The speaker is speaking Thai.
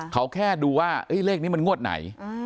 เขาแค่ดูว่าเลขนี้มันงวดไหน